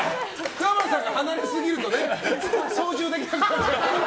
桑原さんが離れすぎると操縦できなくなっちゃう。